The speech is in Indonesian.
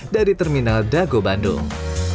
dari terminal dago bandung